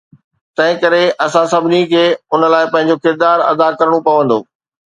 تنهنڪري اسان سڀني کي ان لاءِ پنهنجو ڪردار ادا ڪرڻو پوندو.